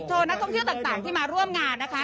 นักท่องเที่ยวต่างที่มาร่วมงานนะคะ